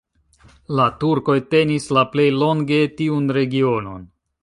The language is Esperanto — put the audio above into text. La turkoj tenis la plej longe tiun regionon.